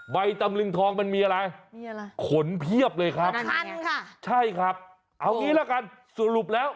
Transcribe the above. ใบตำลึงทองมันมีอะไรขนเพียบเลยครับใช่ครับเอาอย่างนี้ล่ะกันสรุปแล้ว